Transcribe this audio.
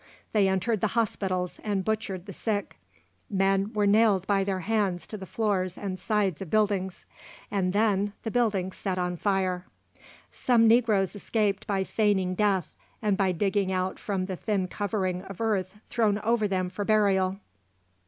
They entered the hospitals and butchered the sick. Men were nailed by their hands to the floors and sides of buildings, and then the buildings set on fire." Some negroes escaped by feigning death, and by digging out from the thin covering of earth thrown over them for burial.